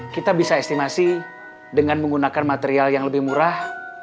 kita bisa estimasi dengan menggunakan material yang lebih murah